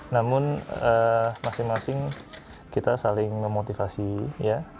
namun masing masing kita saling memotivasi ya